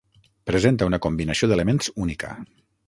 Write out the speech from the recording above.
Presenta una combinació d'elements única.